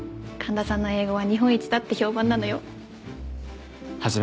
神田さんの英語は日本一だって評判なのよ。